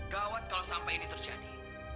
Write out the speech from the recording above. gawat kalau sampai ini terjadi